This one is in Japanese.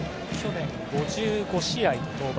去年５５試合の登板。